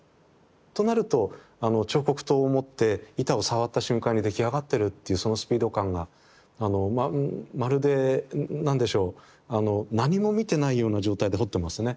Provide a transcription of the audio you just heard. となるとあの彫刻刀を持って板を触った瞬間に出来上がってるっていうそのスピード感があのまるで何でしょう何も見てないような状態で彫ってますね。